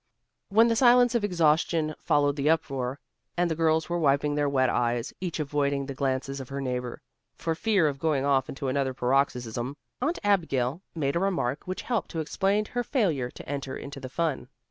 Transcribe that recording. When the silence of exhaustion followed the uproar, and the girls were wiping their wet eyes and each avoiding the glances of her neighbor, for fear of going off into another paroxysm, Aunt Abigail made a remark which helped to explain her failure to enter into the fun.